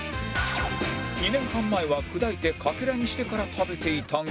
２年半前は砕いてかけらにしてから食べていたが